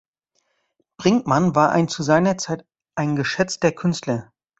Brinckmann war ein zu seiner Zeit ein geschätzter Künstler.